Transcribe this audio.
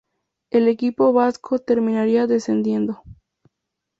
El equipo vasco terminaría descendiendo.